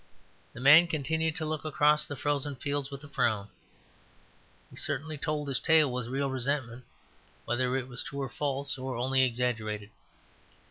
The man continued to look across the frozen fields with a frown. He certainly told his tale with real resentment, whether it was true or false, or only exaggerated.